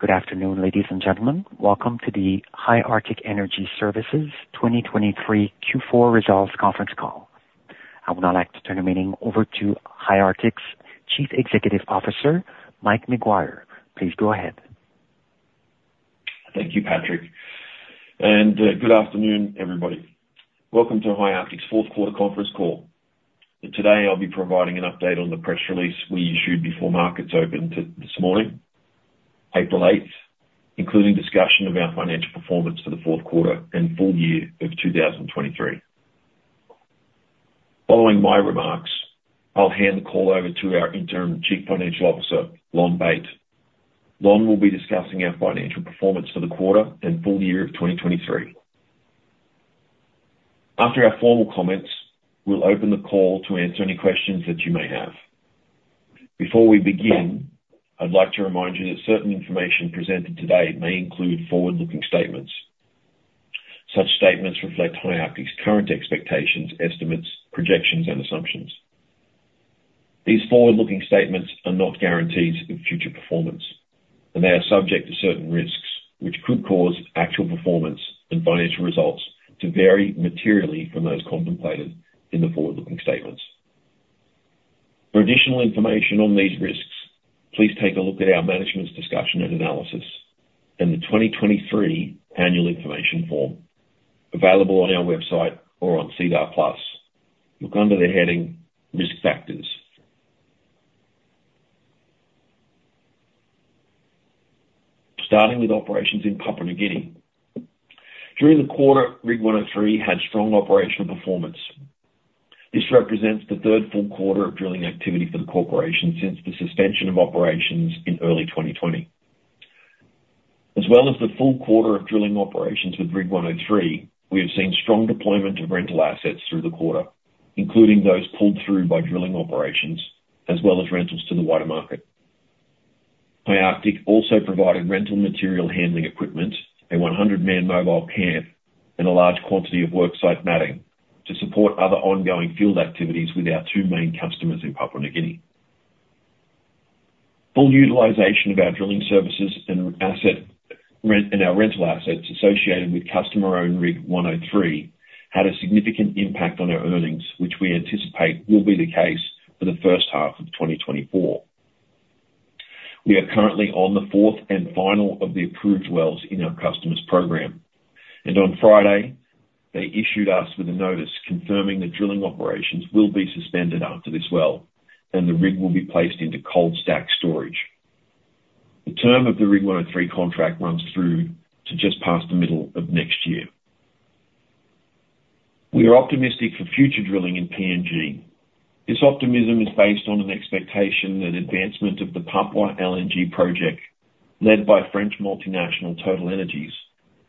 Good afternoon, ladies and gentlemen. Welcome to the High Arctic Energy Services 2023 Q4 Results Conference Call. I would now like to turn the meeting over to High Arctic's Chief Executive Officer, Mike Maguire. Please go ahead. Thank you, Patrick. Good afternoon, everybody. Welcome to High Arctic's fourth-quarter conference call. Today I'll be providing an update on the press release we issued before markets opened this morning, April 8th, including discussion of our financial performance for the fourth quarter and full year of 2023. Following my remarks, I'll hand the call over to our interim Chief Financial Officer, Lonn Bate. Lonn will be discussing our financial performance for the quarter and full year of 2023. After our formal comments, we'll open the call to answer any questions that you may have. Before we begin, I'd like to remind you that certain information presented today may include forward-looking statements. Such statements reflect High Arctic's current expectations, estimates, projections, and assumptions. These forward-looking statements are not guarantees of future performance, and they are subject to certain risks which could cause actual performance and financial results to vary materially from those contemplated in the forward-looking statements. For additional information on these risks, please take a look at our management's discussion and analysis and the 2023 annual information form available on our website or on SEDAR+. Look under the heading Risk Factors. Starting with operations in Papua New Guinea. During the quarter, Rig 103 had strong operational performance. This represents the third full quarter of drilling activity for the corporation since the suspension of operations in early 2020. As well as the full quarter of drilling operations with Rig 103, we have seen strong deployment of rental assets through the quarter, including those pulled through by drilling operations as well as rentals to the wider market. High Arctic also provided rental material handling equipment, a 100-man mobile camp, and a large quantity of worksite matting to support other ongoing field activities with our two main customers in Papua New Guinea. Full utilization of our drilling services and our rental assets associated with customer-owned Rig 103 had a significant impact on our earnings, which we anticipate will be the case for the first half of 2024. We are currently on the fourth and final of the approved wells in our customer's program. On Friday, they issued us with a notice confirming the drilling operations will be suspended after this well, and the rig will be placed into cold stack storage. The term of the Rig 103 contract runs through to just past the middle of next year. We are optimistic for future drilling in PNG. This optimism is based on an expectation that advancement of the Papua LNG project led by French multinational TotalEnergies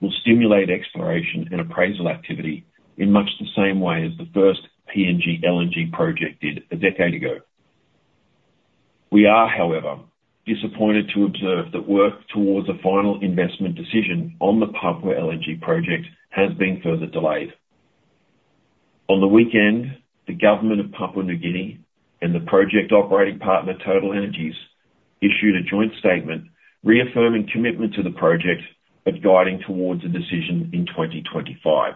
will stimulate exploration and appraisal activity in much the same way as the first PNG LNG project did a decade ago. We are, however, disappointed to observe that work towards a final investment decision on the Papua LNG project has been further delayed. On the weekend, the government of Papua New Guinea and the project operating partner, TotalEnergies, issued a joint statement reaffirming commitment to the project but guiding towards a decision in 2025.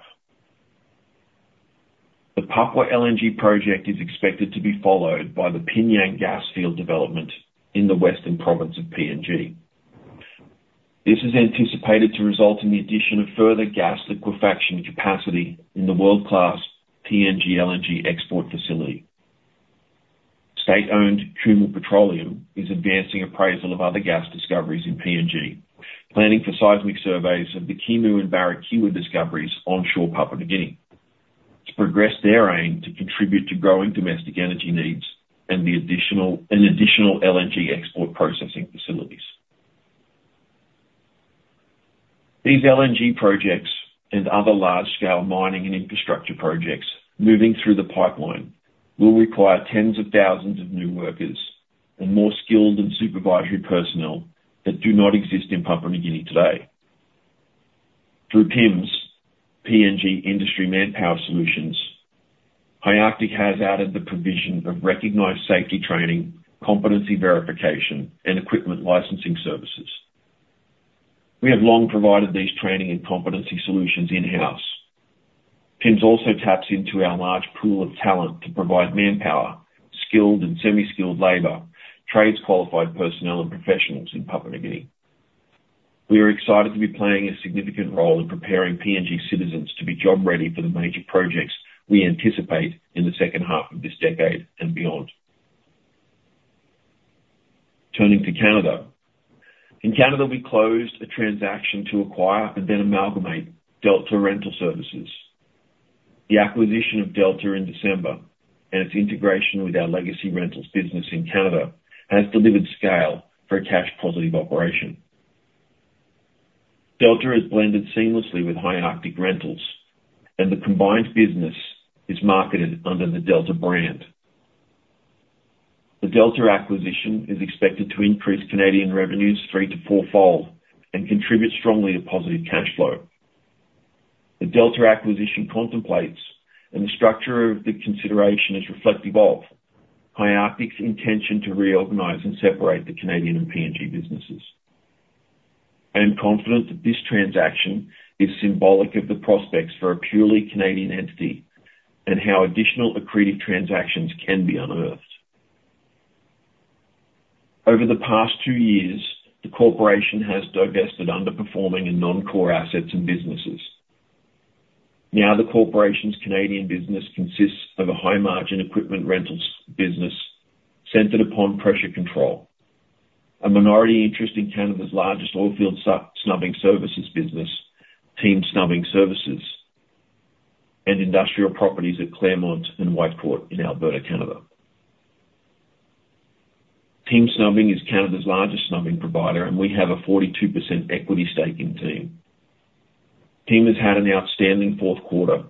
The Papua LNG project is expected to be followed by the P'nyang gas field development in the western province of PNG. This is anticipated to result in the addition of further gas liquefaction capacity in the world-class PNG LNG export facility. State-owned Kumul Petroleum is advancing appraisal of other gas discoveries in PNG, planning for seismic surveys of the Kimu and Barikewa discoveries onshore Papua New Guinea to progress their aim to contribute to growing domestic energy needs and additional LNG export processing facilities. These LNG projects and other large-scale mining and infrastructure projects moving through the pipeline will require tens of thousands of new workers and more skilled and supervisory personnel that do not exist in Papua New Guinea today. Through PIMS, PNG Industry Manpower Solutions, High Arctic has added the provision of recognized safety training, competency verification, and equipment licensing services. We have long provided these training and competency solutions in-house. PIMS also taps into our large pool of talent to provide manpower, skilled and semi-skilled labor, trades-qualified personnel, and professionals in Papua New Guinea. We are excited to be playing a significant role in preparing PNG citizens to be job-ready for the major projects we anticipate in the second half of this decade and beyond. Turning to Canada. In Canada, we closed a transaction to acquire and then amalgamate Delta Rental Services. The acquisition of Delta in December and its integration with our legacy rentals business in Canada has delivered scale for a cash-positive operation. Delta has blended seamlessly with High Arctic Rentals, and the combined business is marketed under the Delta brand. The Delta acquisition is expected to increase Canadian revenues three to four-fold and contribute strongly to positive cash flow. The Delta acquisition contemplates and the structure of the consideration is reflective of High Arctic's intention to reorganize and separate the Canadian and PNG businesses. I am confident that this transaction is symbolic of the prospects for a purely Canadian entity and how additional accretive transactions can be unearthed. Over the past two years, the corporation has divested underperforming in non-core assets and businesses. Now, the corporation's Canadian business consists of a high-margin equipment rentals business centered upon pressure control, a minority interest in Canada's largest oilfield snubbing services business, Team Snubbing Services, and industrial properties at Claresholm and Whitecourt in Alberta, Canada. Team Snubbing is Canada's largest snubbing provider, and we have a 42% equity stake in Team. Team has had an outstanding fourth quarter,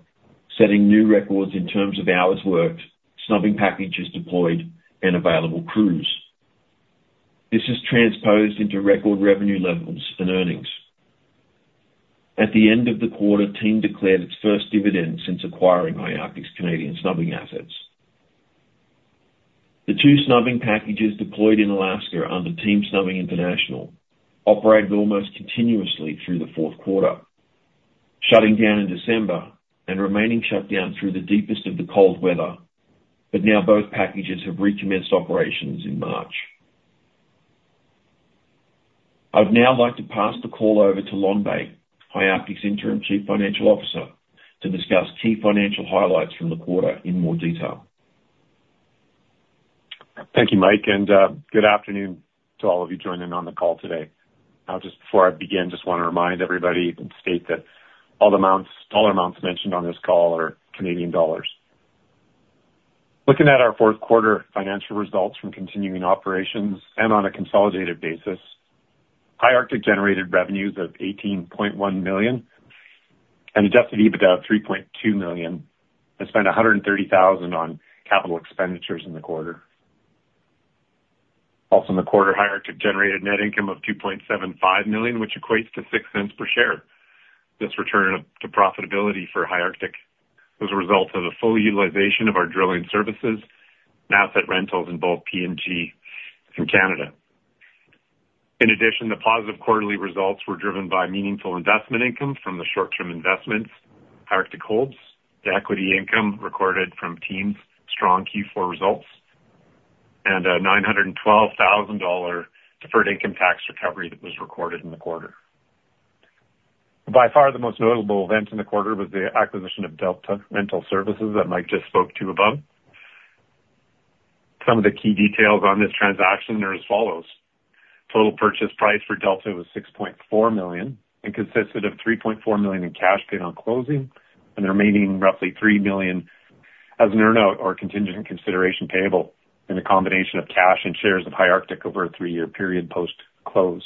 setting new records in terms of hours worked, snubbing packages deployed, and available crews. This has transposed into record revenue levels and earnings. At the end of the quarter, Team declared its first dividend since acquiring High Arctic's Canadian snubbing assets. The two snubbing packages deployed in Alaska under Team Snubbing International operated almost continuously through the fourth quarter, shutting down in December and remaining shut down through the deepest of the cold weather. Now, both packages have recommenced operations in March. I would now like to pass the call over to Lonn Bate, High Arctic's Interim Chief Financial Officer, to discuss key financial highlights from the quarter in more detail. Thank you, Mike. Good afternoon to all of you joining on the call today. Just before I begin, I just want to remind everybody and state that all the dollar amounts mentioned on this call are Canadian dollars. Looking at our fourth quarter financial results from continuing operations and on a consolidated basis, High Arctic generated revenues of 18.1 million and adjusted EBITDA of 3.2 million and spent 130,000 on capital expenditures in the quarter. Also, in the quarter, High Arctic generated net income of 2.75 million, which equates to 0.06 per share. This return to profitability for High Arctic was a result of the full utilization of our drilling services, matting rentals in both PNG and Canada. In addition, the positive quarterly results were driven by meaningful investment income from the short-term investments High Arctic holds, the equity income recorded from Team's strong Q4 results, and a 912,000 dollar deferred income tax recovery that was recorded in the quarter. By far, the most notable event in the quarter was the acquisition of Delta Rental Services that Mike just spoke to above. Some of the key details on this transaction are as follows. Total purchase price for Delta was 6.4 million and consisted of 3.4 million in cash paid on closing and the remaining roughly 3 million as an earnout or contingent consideration payable in a combination of cash and shares of High Arctic over a three-year period post-close.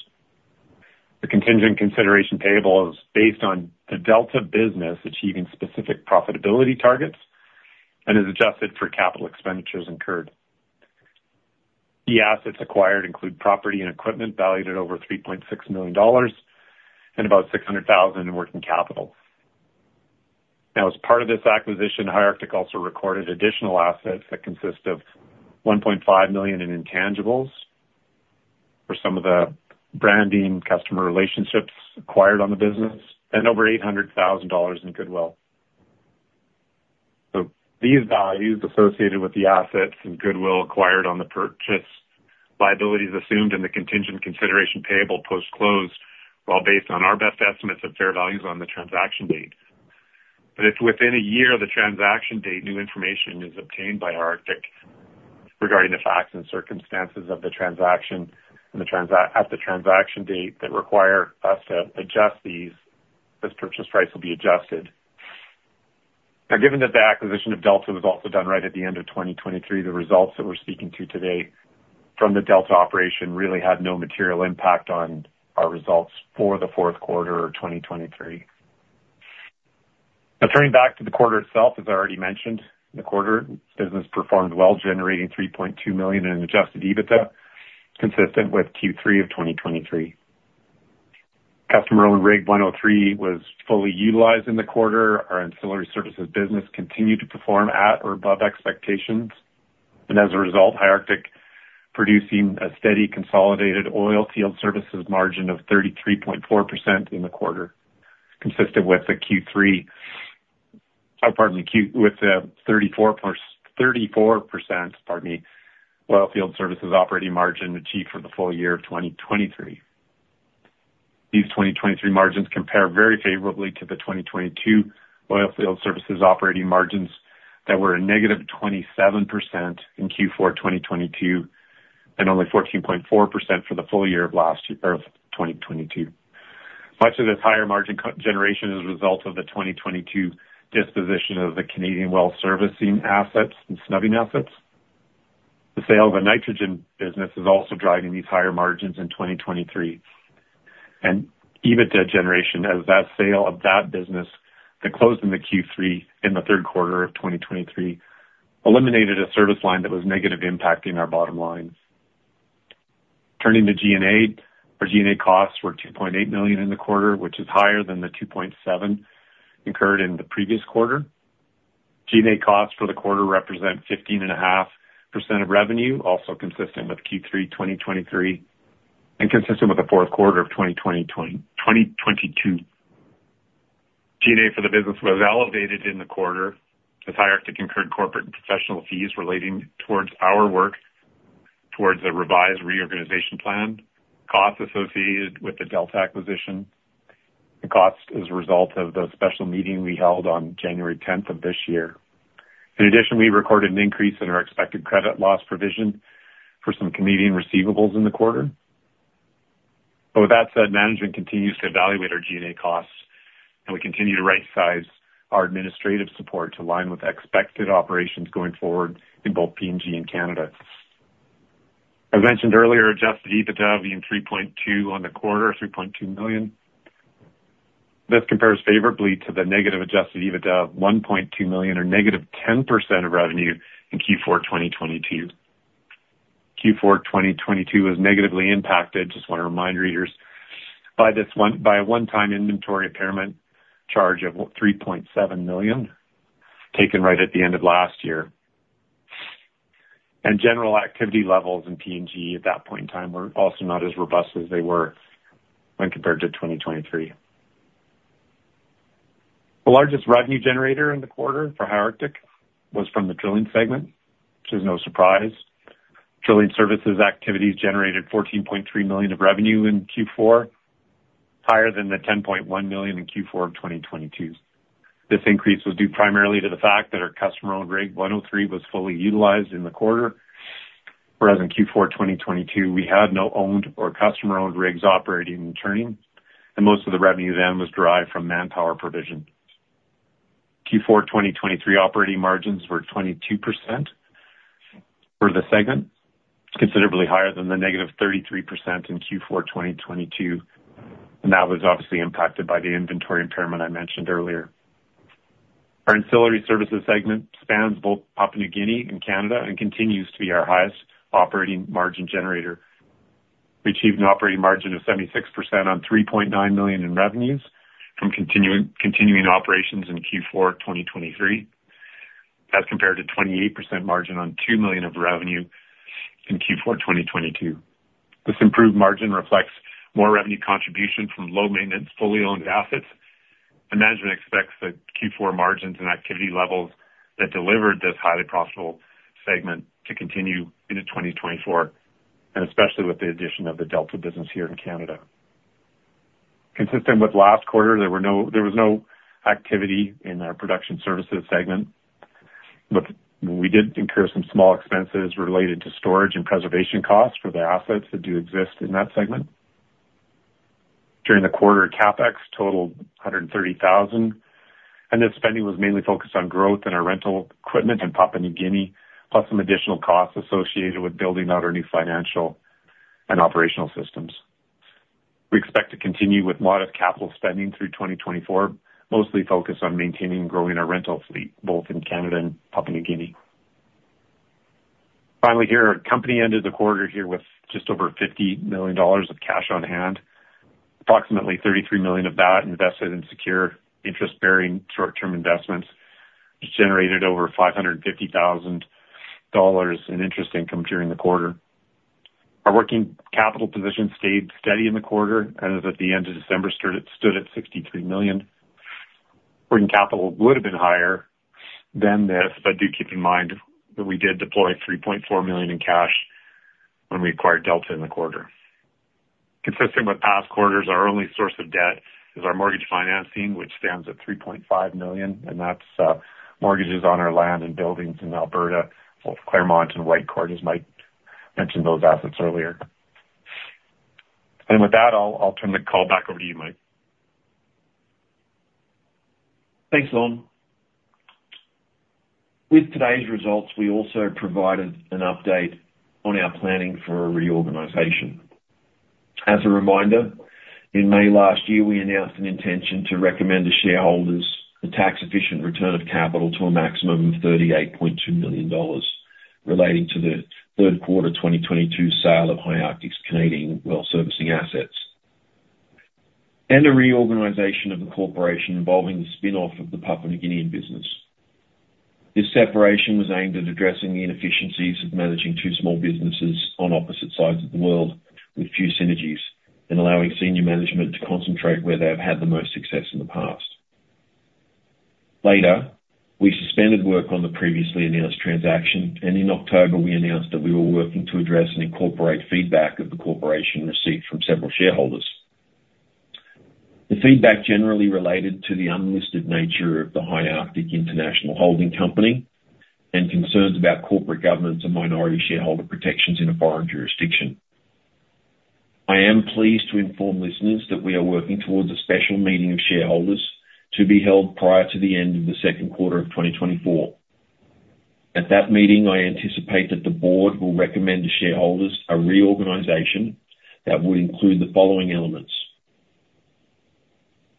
The contingent consideration payable is based on the Delta business achieving specific profitability targets and is adjusted for capital expenditures incurred. Key assets acquired include property and equipment valued at over 3.6 million dollars and about 600,000 in working capital. Now, as part of this acquisition, High Arctic also recorded additional assets that consist of 1.5 million in intangibles for some of the branding customer relationships acquired on the business and over 800,000 dollars in goodwill. So these values associated with the assets and goodwill acquired, the purchase liabilities assumed in the contingent consideration payable post-close while based on our best estimates of fair values on the transaction date. But if within a year of the transaction date, new information is obtained by High Arctic regarding the facts and circumstances of the transaction at the transaction date that require us to adjust these, this purchase price will be adjusted. Now, given that the acquisition of Delta was also done right at the end of 2023, the results that we're speaking to today from the Delta operation really had no material impact on our results for the fourth quarter of 2023. Now, turning back to the quarter itself, as I already mentioned, the quarter business performed well, generating 3.2 million in adjusted EBITDA consistent with Q3 of 2023. Customer-owned Rig 103 was fully utilized in the quarter. Our ancillary services business continued to perform at or above expectations. And as a result, High Arctic producing a steady consolidated oilfield services margin of 33.4% in the quarter consistent with the Q3 oh, pardon me, with the 34% oilfield services operating margin achieved for the full year of 2023. These 2023 margins compare very favorably to the 2022 oilfield services operating margins that were -27% in Q4 2022 and only 14.4% for the full year of 2022. Much of this higher margin generation is a result of the 2022 disposition of the Canadian well servicing assets and snubbing assets. The sale of the nitrogen business is also driving these higher margins in 2023. EBITDA generation as that sale of that business that closed in the Q3 in the third quarter of 2023 eliminated a service line that was negative impacting our bottom line. Turning to G&A, our G&A costs were 2.8 million in the quarter, which is higher than the 2.7 incurred in the previous quarter. G&A costs for the quarter represent 15.5% of revenue, also consistent with Q3 2023 and consistent with the fourth quarter of 2022. G&A for the business was elevated in the quarter as High Arctic incurred corporate and professional fees relating towards our work towards a revised reorganization plan, costs associated with the Delta acquisition. The cost is a result of the special meeting we held on January 10th of this year. In addition, we recorded an increase in our expected credit loss provision for some Canadian receivables in the quarter. But with that said, management continues to evaluate our G&A costs, and we continue to right-size our administrative support to align with expected operations going forward in both PNG and Canada. As mentioned earlier, adjusted EBITDA will be 3.2 million on the quarter. This compares favorably to the negative adjusted EBITDA of 1.2 million or negative 10% of revenue in Q4 2022. Q4 2022 was negatively impacted, just want to remind readers, by a one-time inventory impairment charge of 3.7 million taken right at the end of last year. General activity levels in PNG at that point in time were also not as robust as they were when compared to 2023. The largest revenue generator in the quarter for High Arctic was from the drilling segment, which is no surprise. Drilling services activities generated 14.3 million of revenue in Q4, higher than the 10.1 million in Q4 of 2022. This increase was due primarily to the fact that our customer-owned Rig 103 was fully utilized in the quarter, whereas in Q4 2022, we had no owned or customer-owned rigs operating and turning. Most of the revenue then was derived from manpower provision. Q4 2023 operating margins were 22% for the segment, considerably higher than the negative 33% in Q4 2022. That was obviously impacted by the inventory impairment I mentioned earlier. Our ancillary services segment spans both Papua New Guinea and Canada and continues to be our highest operating margin generator. We achieved an operating margin of 76% on 3.9 million in revenues from continuing operations in Q4 2023 as compared to a 28% margin on 2 million of revenue in Q4 2022. This improved margin reflects more revenue contribution from low-maintenance, fully-owned assets. Management expects the Q4 margins and activity levels that delivered this highly profitable segment to continue into 2024, and especially with the addition of the Delta business here in Canada. Consistent with last quarter, there was no activity in our production services segment. But we did incur some small expenses related to storage and preservation costs for the assets that do exist in that segment. During the quarter, CAPEX totaled 130,000. This spending was mainly focused on growth in our rental equipment in Papua New Guinea, plus some additional costs associated with building out our new financial and operational systems. We expect to continue with modest capital spending through 2024, mostly focused on maintaining and growing our rental fleet both in Canada and Papua New Guinea. Finally here, our company ended the quarter here with just over 50 million dollars of cash on hand. Approximately 33 million of that invested in secure interest-bearing short-term investments, which generated over 550,000 dollars in interest income during the quarter. Our working capital position stayed steady in the quarter, and as at the end of December, it stood at 63 million. Working capital would have been higher than this, but do keep in mind that we did deploy 3.4 million in cash when we acquired Delta in the quarter. Consistent with past quarters, our only source of debt is our mortgage financing, which stands at 3.5 million. That's mortgages on our land and buildings in Alberta, both Claresholm and Whitecourt. As Mike mentioned, those assets earlier. With that, I'll turn the call back over to you, Mike. Thanks, Lonn. With today's results, we also provided an update on our planning for reorganization. As a reminder, in May last year, we announced an intention to recommend to shareholders a tax-efficient return of capital to a maximum of 38.2 million dollars relating to the third quarter 2022 sale of High Arctic's Canadian well servicing assets and a reorganization of the corporation involving the spinoff of the Papua New Guinea business. This separation was aimed at addressing the inefficiencies of managing two small businesses on opposite sides of the world with few synergies and allowing senior management to concentrate where they have had the most success in the past. Later, we suspended work on the previously announced transaction. In October, we announced that we were working to address and incorporate feedback of the corporation received from several shareholders, the feedback generally related to the unlisted nature of the High Arctic International Holding Company and concerns about corporate governance and minority shareholder protections in a foreign jurisdiction. I am pleased to inform listeners that we are working towards a special meeting of shareholders to be held prior to the end of the second quarter of 2024. At that meeting, I anticipate that the board will recommend to shareholders a reorganization that would include the following elements: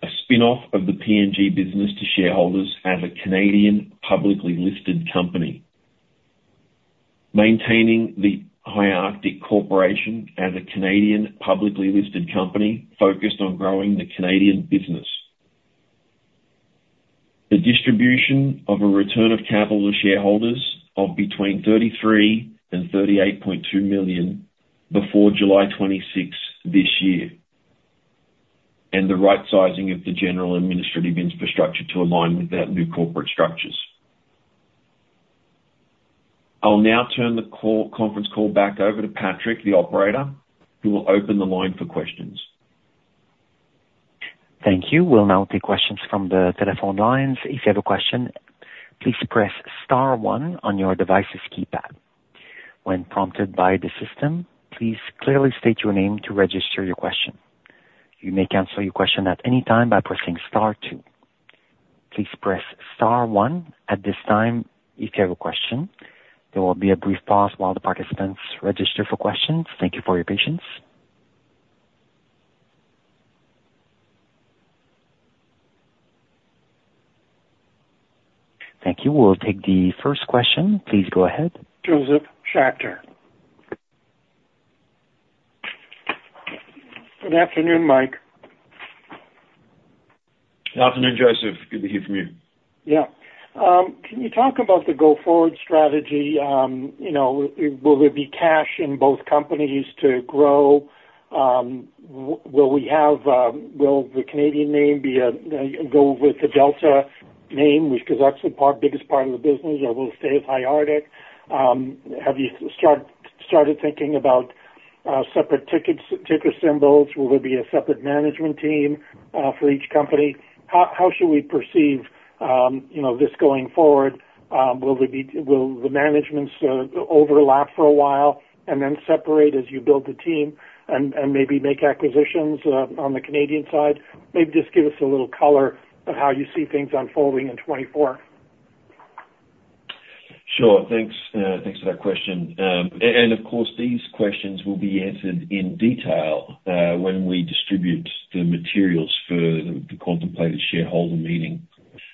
a spinoff of the PNG business to shareholders as a Canadian publicly listed company, maintaining the High Arctic Corporation as a Canadian publicly listed company focused on growing the Canadian business, the distribution of a return of capital to shareholders of between 33-38.2 million before July 26th this year, and the right-sizing of the general administrative infrastructure to align with that new corporate structures. I'll now turn the conference call back over to Patrick, the operator, who will open the line for questions. Thank you. We'll now take questions from the telephone lines. If you have a question, please press star one on your device's keypad. When prompted by the system, please clearly state your name to register your question. You may answer your question at any time by pressing star two. Please press star one at this time if you have a question. There will be a brief pause while the participants register for questions. Thank you for your patience. Thank you. We'll take the first question. Please go ahead. Josef Schachter. Good afternoon, Mike. Good afternoon, Joseph. Good to hear from you. Yeah. Can you talk about the go-forward strategy? Will there be cash in both companies to grow? Will the Canadian name go with the Delta name, which is actually the biggest part of the business, or will it stay as High Arctic? Have you started thinking about separate ticker symbols? Will there be a separate management team for each company? How should we perceive this going forward? Will the managements overlap for a while and then separate as you build the team and maybe make acquisitions on the Canadian side? Maybe just give us a little color of how you see things unfolding in 2024. Sure. Thanks for that question. And of course, these questions will be answered in detail when we distribute the materials for the contemplated shareholder meeting.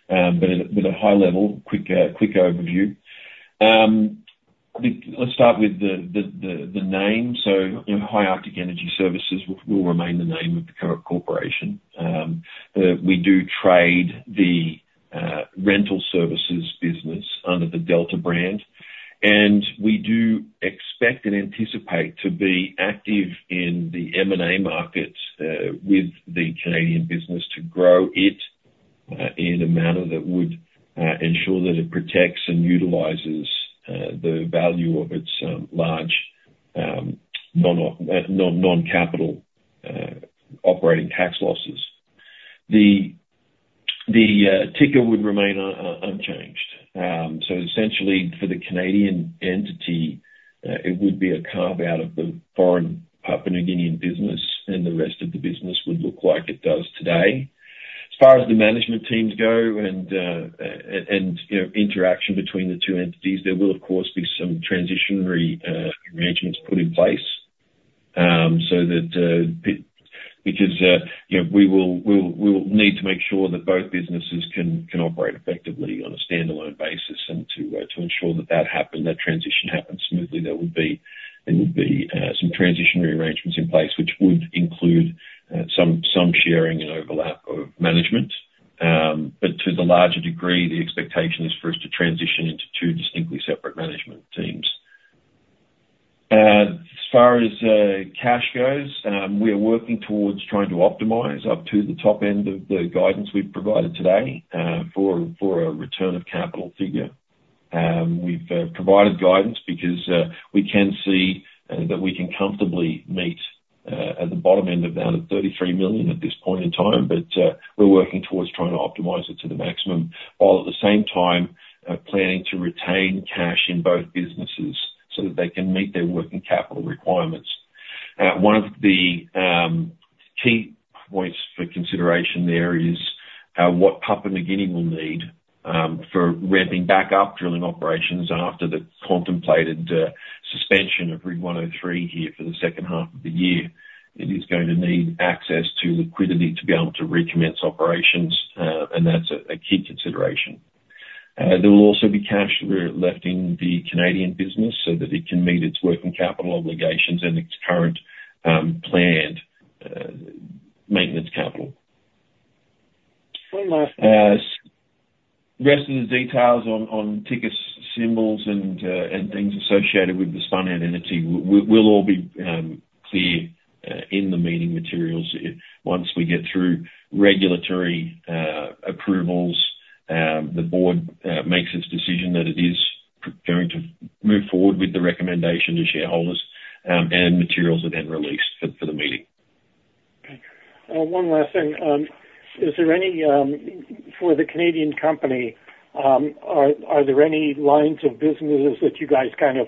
But at a high level, quick overview. Let's start with the name. So High Arctic Energy Services will remain the name of the current corporation. We do trade the rental services business under the Delta brand. And we do expect and anticipate to be active in the M&A market with the Canadian business to grow it in a manner that would ensure that it protects and utilizes the value of its large non-capital operating tax losses. The ticker would remain unchanged. So essentially, for the Canadian entity, it would be a carve-out of the foreign Papua New Guinea business, and the rest of the business would look like it does today. As far as the management teams go and interaction between the two entities, there will, of course, be some transitionary arrangements put in place because we will need to make sure that both businesses can operate effectively on a standalone basis. And to ensure that that transition happens smoothly, there would be some transitionary arrangements in place, which would include some sharing and overlap of management. But to the larger degree, the expectation is for us to transition into two distinctly separate management teams. As far as cash goes, we are working towards trying to optimize up to the top end of the guidance we've provided today for a return of capital figure. We've provided guidance because we can see that we can comfortably meet at the bottom end of that at 33 million at this point in time. We're working towards trying to optimize it to the maximum while at the same time planning to retain cash in both businesses so that they can meet their working capital requirements. One of the key points for consideration there is what Papua New Guinea will need for ramping back up drilling operations after the contemplated suspension of Rig 103 here for the second half of the year. It is going to need access to liquidity to be able to recommence operations. That's a key consideration. There will also be cash left in the Canadian business so that it can meet its working capital obligations and its current planned maintenance capital. One last thing. The rest of the details on ticker symbols and things associated with the spun-out entity will all be clear in the meeting materials once we get through regulatory approvals. The board makes its decision that it is going to move forward with the recommendation to shareholders, and materials are then released for the meeting. Okay. One last thing. For the Canadian company, are there any lines of businesses that you guys kind of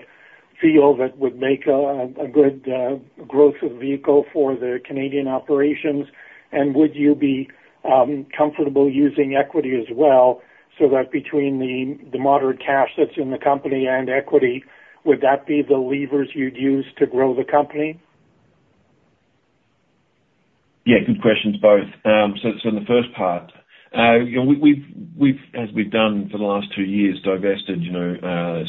feel that would make a good growth vehicle for the Canadian operations? And would you be comfortable using equity as well so that between the moderate cash that's in the company and equity, would that be the levers you'd use to grow the company? Yeah. Good questions both. So in the first part, as we've done for the last two years, divested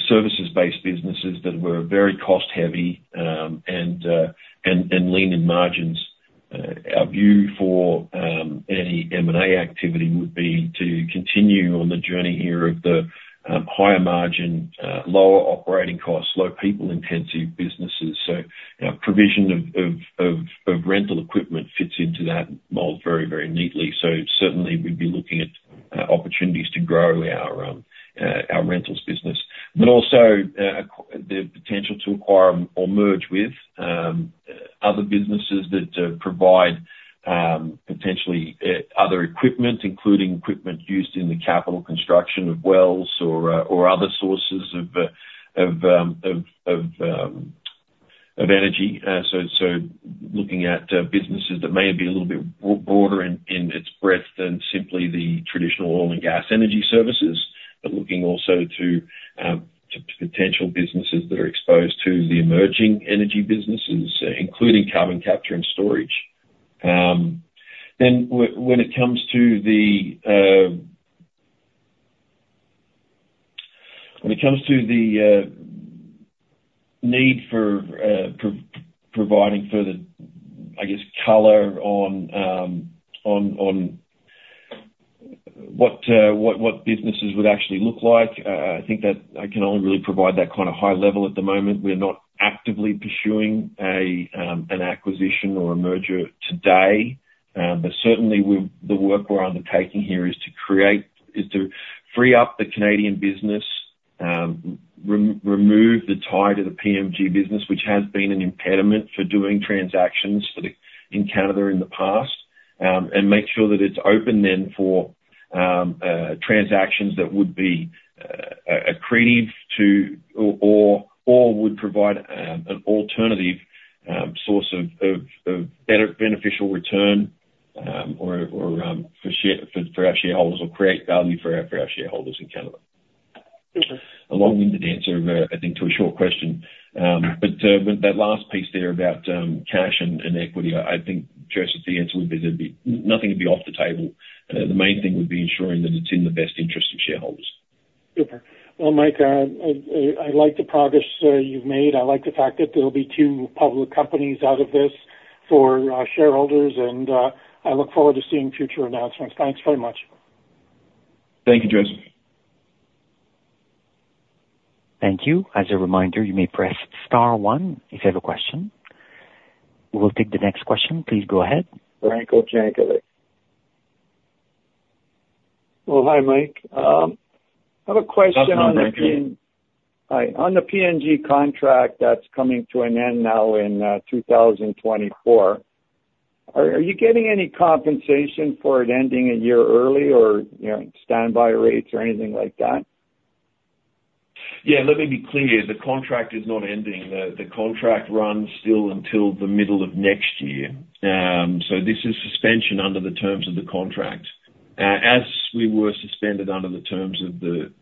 services-based businesses that were very cost-heavy and lean in margins. Our view for any M&A activity would be to continue on the journey here of the higher margin, lower operating costs, low-people-intensive businesses. So provision of rental equipment fits into that mold very, very neatly. So certainly, we'd be looking at opportunities to grow our rentals business, but also the potential to acquire or merge with other businesses that provide potentially other equipment, including equipment used in the capital construction of wells or other sources of energy. So looking at businesses that may be a little bit broader in its breadth than simply the traditional oil and gas energy services, but looking also to potential businesses that are exposed to the emerging energy businesses, including carbon capture and storage. Then when it comes to the need for providing further, I guess, color on what businesses would actually look like, I think that I can only really provide that kind of high level at the moment. We're not actively pursuing an acquisition or a merger today. But certainly, the work we're undertaking here is to free up the Canadian business, remove the tie to the PNG business, which has been an impediment for doing transactions in Canada in the past, and make sure that it's open then for transactions that would be accretive or would provide an alternative source of beneficial return for our shareholders or create value for our shareholders in Canada. Super. A long-winded answer, I think, to a short question. But that last piece there about cash and equity, I think, Joseph, the answer would be there'd be nothing to be off the table. The main thing would be ensuring that it's in the best interest of shareholders. Super. Well, Mike, I like the progress you've made. I like the fact that there'll be two public companies out of this for shareholders. I look forward to seeing future announcements. Thanks very much. Thank you, Joseph. Thank you. As a reminder, you may press star one if you have a question. We'll take the next question. Please go ahead. Branko Jankovic. Well, hi, Mike. I have a question on the. I'm Branko Jankovic. Hi. On the PNG contract that's coming to an end now in 2024, are you getting any compensation for it ending a year early or standby rates or anything like that? Yeah. Let me be clear. The contract is not ending. The contract runs still until the middle of next year. So this is suspension under the terms of the contract as we were suspended under the terms of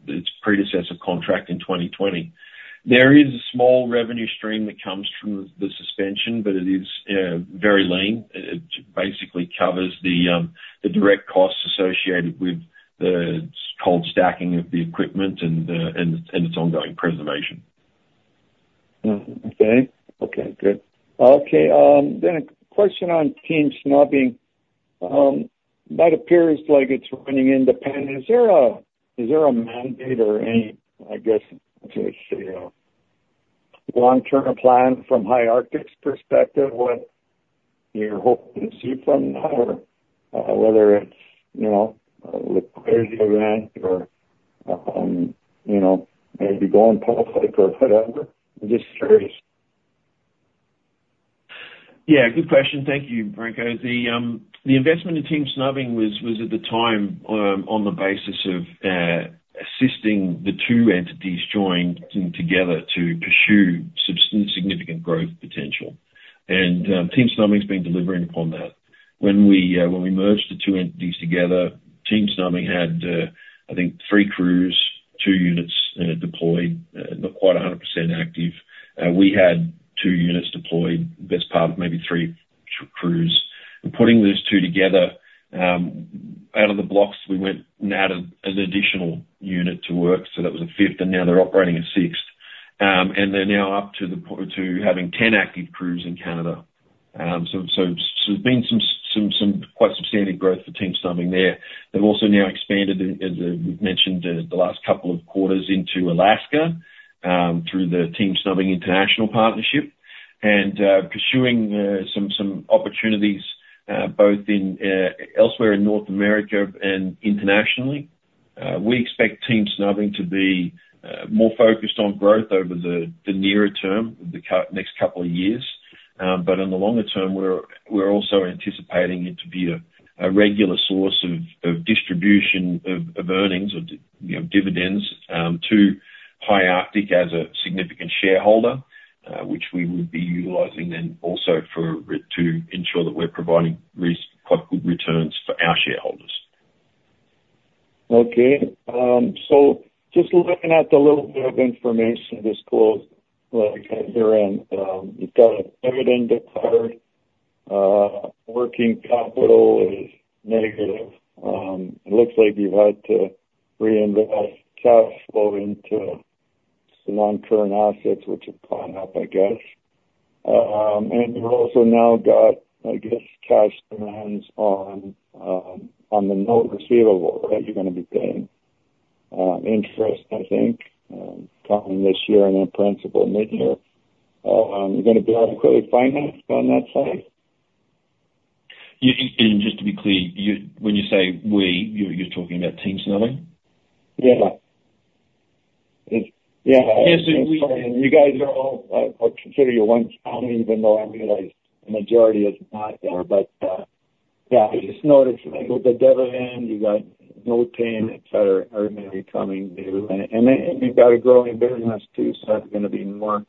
its predecessor contract in 2020. There is a small revenue stream that comes from the suspension, but it is very lean. It basically covers the direct costs associated with the cold stacking of the equipment and its ongoing preservation. Okay. Okay. Good. Okay. Then a question on Team Snubbing. That appears like it's running independent. Is there a mandate or any, I guess, long-term plan from High Arctic's perspective? What you're hoping to see from that or whether it's liquidity event or maybe going public or whatever? I'm just curious. Yeah. Good question. Thank you, Branko. The investment in Team Snubbing was at the time on the basis of assisting the two entities joining together to pursue significant growth potential. Team Snubbing's been delivering upon that. When we merged the two entities together, Team Snubbing had, I think, 3 crews, 2 units deployed, not quite 100% active. We had 2 units deployed, the best part of maybe 3 crews. Putting those two together out of the blocks, we went and added an additional unit to work. So that was a fifth. Now they're operating a sixth. They're now up to having 10 active crews in Canada. So there's been some quite substantial growth for Team Snubbing there. They've also now expanded, as we've mentioned, the last couple of quarters into Alaska through the Team Snubbing International partnership and pursuing some opportunities both elsewhere in North America and internationally. We expect Team Snubbing to be more focused on growth over the nearer term, the next couple of years. But on the longer term, we're also anticipating it to be a regular source of distribution of earnings or dividends to High Arctic as a significant shareholder, which we would be utilizing then also to ensure that we're providing quite good returns for our shareholders. Okay. So just looking at the little bit of information this close, like at the end, you've got a dividend deferred. Working capital is negative. It looks like you've had to reinvest cash flow into the non-current assets, which have caught up, I guess. And you've also now got, I guess, cash demands on the note receivable that you're going to be paying. Interest, I think, coming this year and then principal mid-year. You're going to be adequately financed on that side? Just to be clear, when you say we, you're talking about Team Snubbing? Yeah. Yeah. Yeah. So we. I'm sorry. You guys are all I would consider you one family, even though I realize the majority is not there. But yeah, it's noted. So you've got the dividend. You've got note payment, etc., are going to be coming due. And you've got a growing business too, so that's going to be more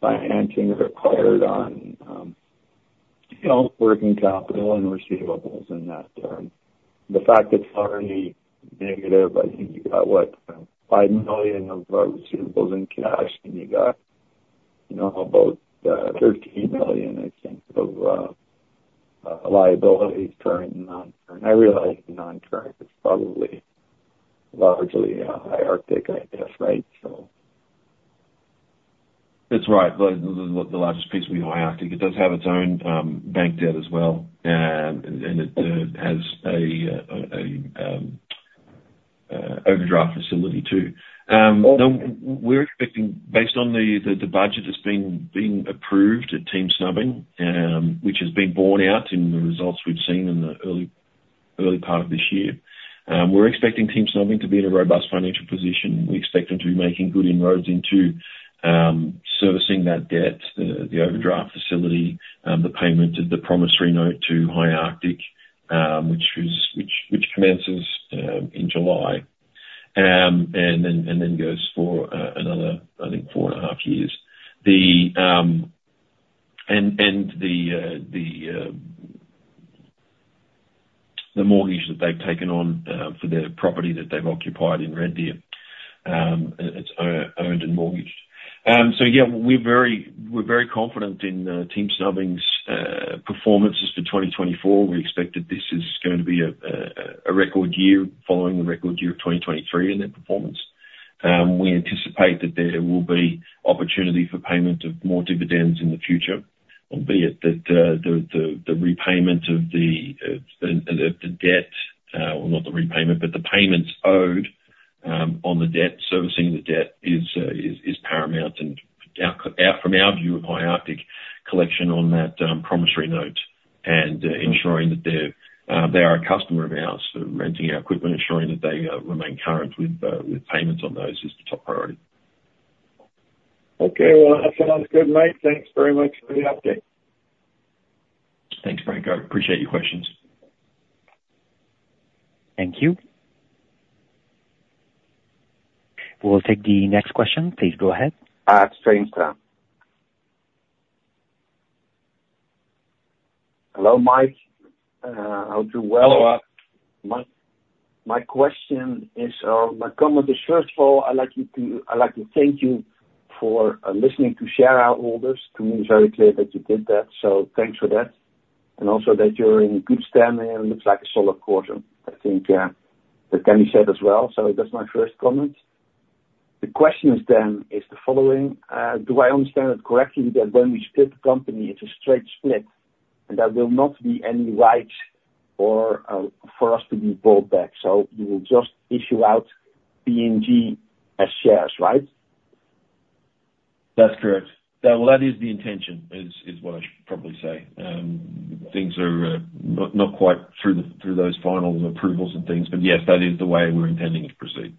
financing required on working capital and receivables in that term. The fact that it's already negative, I think you've got, what, 5 million of our receivables in cash, and you've got about 13 million, I think, of liabilities, current and non-current. I realize non-current is probably largely High Arctic, I guess, right? So. That's right. The largest piece we know, High Arctic. It does have its own bank debt as well. It has an overdraft facility too. Based on the budget that's been approved at Team Snubbing, which has been borne out in the results we've seen in the early part of this year, we're expecting Team Snubbing to be in a robust financial position. We expect them to be making good inroads into servicing that debt, the overdraft facility, the payment of the promissory note to High Arctic, which commences in July and then goes for another, I think, four and a half years. The mortgage that they've taken on for their property that they've occupied in Red Deer, it's owned and mortgaged. So yeah, we're very confident in Team Snubbing's performances for 2024. We expect that this is going to be a record year following the record year of 2023 in their performance. We anticipate that there will be opportunity for payment of more dividends in the future, albeit that the repayment of the debt well, not the repayment, but the payments owed on the debt, servicing the debt, is paramount from our view of High Arctic collection on that promissory note and ensuring that they are a customer of ours for renting our equipment, ensuring that they remain current with payments on those is the top priority. Okay. Well, that sounds good, Mike. Thanks very much for the update. Thanks, Branko. Appreciate your questions. Thank you. We'll take the next question. Please go ahead. Operator. Hello, Mike. Art Buwalda. Hello, Mike. My question is, my comment is, first of all, I'd like to thank you for listening to shareholders. To me, it's very clear that you did that. So thanks for that and also that you're in good standing. It looks like a solid quarter. I think that can be said as well. So that's my first comment. The question is then the following. Do I understand it correctly that when we split the company, it's a straight split and there will not be any rights for us to be bought back? So you will just issue out PNG as shares, right? That's correct. Well, that is the intention is what I should probably say. Things are not quite through those final approvals and things. But yes, that is the way we're intending to proceed.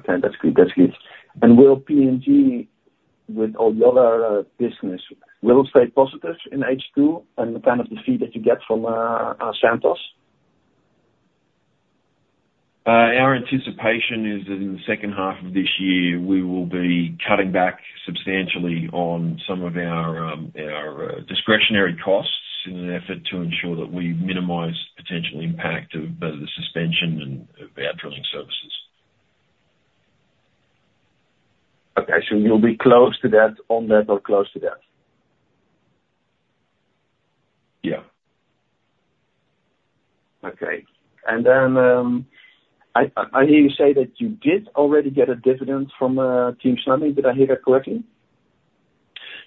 Okay. That's good. That's good. And will PNG, with all the other business, will it stay positive in H2 and the kind of the fee that you get from Santos? Our anticipation is that in the second half of this year, we will be cutting back substantially on some of our discretionary costs in an effort to ensure that we minimize potential impact of both the suspension and of our drilling services. Okay. So you'll be close to that on that or close to that? Yeah. Okay. And then I hear you say that you did already get a dividend from Team Snubbing. Did I hear that correctly?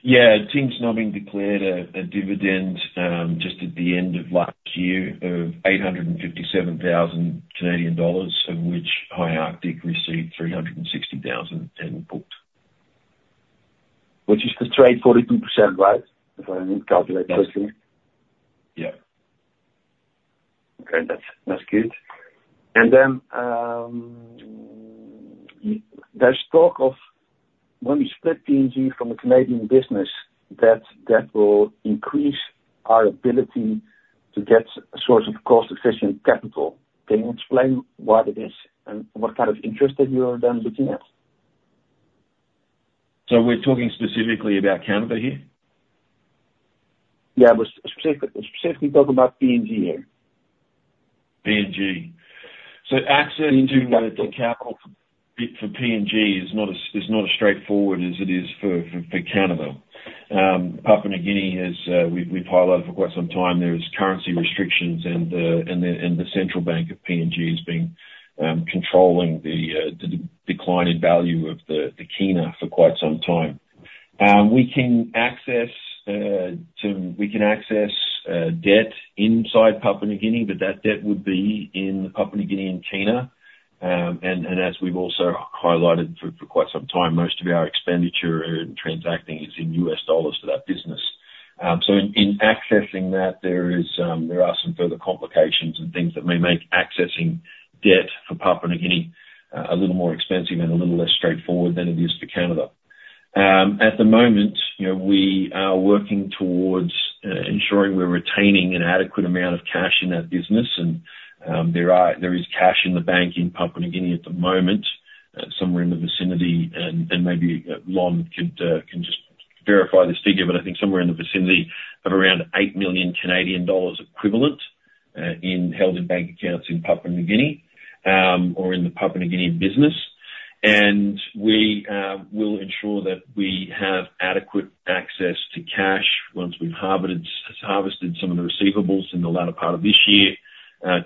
Yeah. Team Snubbing declared a dividend just at the end of last year of 857,000 Canadian dollars, of which High Arctic received 360,000 and booked. Which is straight 42%, right, if I calculate correctly? Yes. Yep. Okay. That's good. And then there's talk of when we split PNG from the Canadian business, that will increase our ability to get a source of cost-efficient capital. Can you explain why that is and what kind of interest that you are then looking at? We're talking specifically about Canada here? Yeah. We're specifically talking about PNG here. PNG. So access to capital for PNG is not as straightforward as it is for Canada. Papua New Guinea, we've highlighted for quite some time, there's currency restrictions, and the central bank of PNG has been controlling the decline in value of the Kina for quite some time. We can access debt inside Papua New Guinea, but that debt would be in Papua New Guinea and Kina. And as we've also highlighted for quite some time, most of our expenditure and transacting is in US dollars for that business. So in accessing that, there are some further complications and things that may make accessing debt for Papua New Guinea a little more expensive and a little less straightforward than it is for Canada. At the moment, we are working towards ensuring we're retaining an adequate amount of cash in that business. There is cash in the bank in Papua New Guinea at the moment, somewhere in the vicinity. Maybe Lonn could just verify this figure, but I think somewhere in the vicinity of around 8 million Canadian dollars equivalent held in bank accounts in Papua New Guinea or in the Papua New Guinea business. We will ensure that we have adequate access to cash once we've harvested some of the receivables in the latter part of this year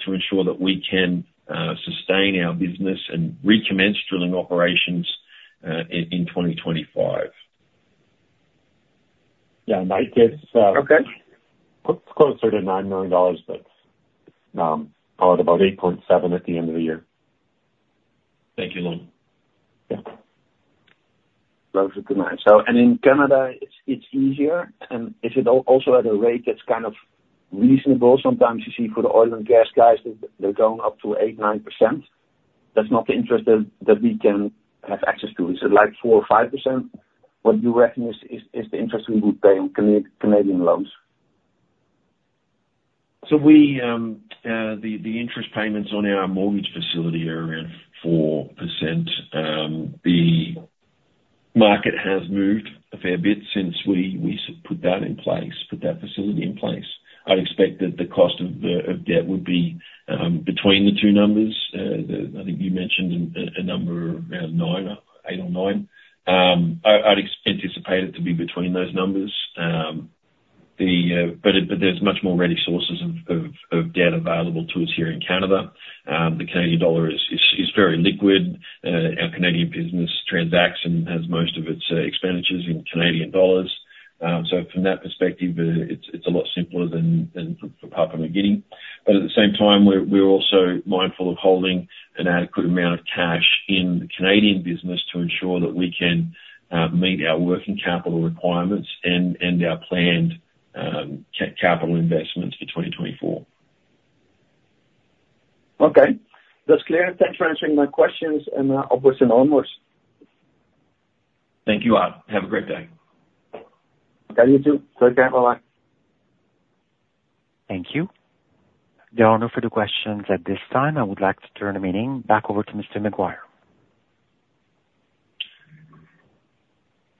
to ensure that we can sustain our business and recommence drilling operations in 2025. Yeah. No, it gets closer to $9 million, but it's probably about $8.7 million at the end of the year. Thank you, Lonn. Yeah. Closer to 9%. So, in Canada, it's easier. And is it also at a rate that's kind of reasonable? Sometimes you see for the oil and gas guys, they're going up to 8%-9%. That's not the interest that we can have access to. Is it like 4%-5%? What you reckon is the interest we would pay on Canadian loans? So the interest payments on our mortgage facility are around 4%. The market has moved a fair bit since we put that in place, put that facility in place. I'd expect that the cost of debt would be between the two numbers. I think you mentioned a number around 8 or 9. I'd anticipate it to be between those numbers. But there's much more ready sources of debt available to us here in Canada. The Canadian dollar is very liquid. Our Canadian business transacts and has most of its expenditures in Canadian dollars. So from that perspective, it's a lot simpler than for Papua New Guinea. But at the same time, we're also mindful of holding an adequate amount of cash in the Canadian business to ensure that we can meet our working capital requirements and our planned capital investments for 2024. Okay. That's clear. Thanks for answering my questions. And I'll put you onwards. Thank you, Art. Have a great day. Okay. You too. Take care. Bye-bye. Thank you. There are no further questions at this time. I would like to turn the meeting back over to Mr. Maguire.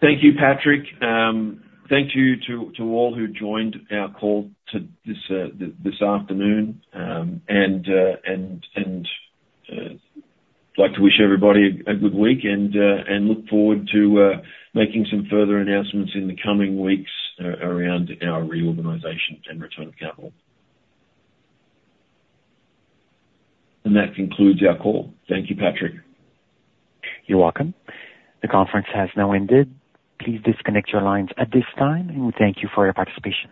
Thank you, Patrick. Thank you to all who joined our call this afternoon. I'd like to wish everybody a good week and look forward to making some further announcements in the coming weeks around our reorganization and return of capital. That concludes our call. Thank you, Patrick. You're welcome. The conference has now ended. Please disconnect your lines at this time, and we thank you for your participation.